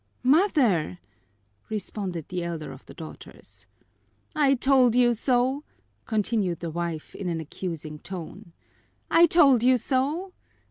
"Mother!" responded the elder of the daughters. "I told you so!" continued the wife in an accusing tone. "I told you so!